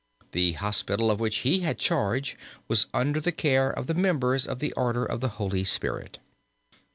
The hospital of which he had charge was under the care of the members of the order of the Holy Spirit.